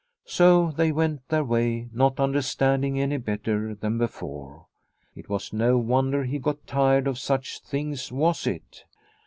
So they went their way, not under standing any better than before. It was no wonder he got tired of such things, was it